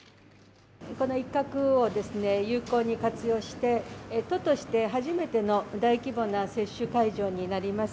この一角をですね、有効に活用して、都として、初めての大規模な接種会場になります。